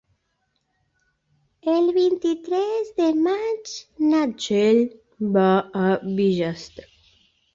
El vint-i-tres de maig na Txell va a Bigastre.